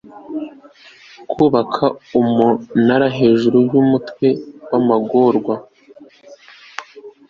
kubaka umunara hejuru yumutwe wamagorwa